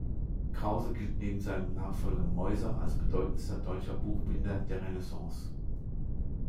Krause gilt neben seinem Nachfolger Meuser als bedeutendster deutscher Buchbinder der Renaissance.